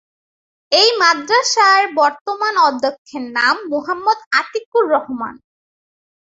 এই মাদ্রাসার বর্তমান অধ্যক্ষের নাম মোহাম্মদ আতিকুর রহমান।